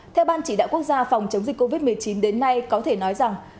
theo ban chỉ đạo quốc gia phòng chống dịch covid một mươi chín đến nay có thể nói rằng